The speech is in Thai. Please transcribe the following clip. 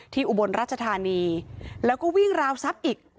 อุบลราชธานีแล้วก็วิ่งราวทรัพย์อีก